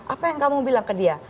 apa yang kamu bilang ke dia